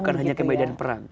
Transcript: bukan hanya kebaikan perang